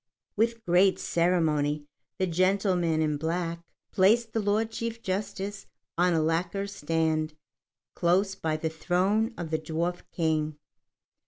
With great ceremony the gentleman in black placed the Lord Chief Justice on a lacquer stand close by the throne of the Dwarf King.